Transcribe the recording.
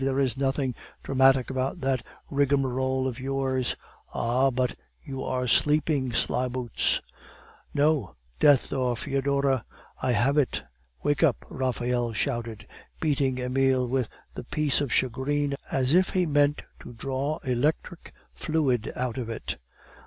There is nothing dramatic about that rigmarole of yours." "Ah, but you were sleeping, slyboots." "No 'Death or Foedora!' I have it!" "Wake up!" Raphael shouted, beating Emile with the piece of shagreen as if he meant to draw electric fluid out of it.